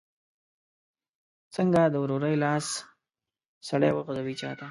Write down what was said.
څنګه د ورورۍ لاس سړی وغځوي چاته؟